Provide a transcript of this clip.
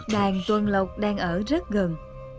đàn tuần lục đang ở rất gần